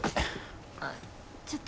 ああちょっと。